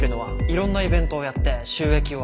いろんなイベントをやって収益を上げる。